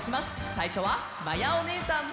さいしょはまやおねえさん。